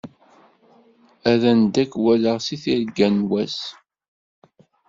Ad d-ndekwaleɣ seg tirga-w n wass.